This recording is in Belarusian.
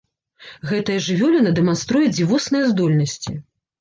Гэтая жывёліна дэманструе дзівосныя здольнасці.